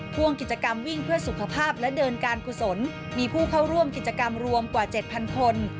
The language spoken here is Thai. พ่วงกิจกรรมวิ่งเพื่อสุขภาพและเดินการกุศลมีผู้เข้าร่วมกิจกรรมรวมกว่า๗๐๐คน